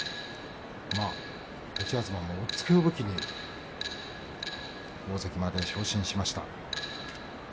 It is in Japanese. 栃東も押っつけを武器に大関まで昇進しました。